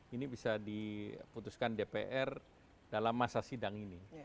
ini bisa diputuskan dpr dalam masa sidang ini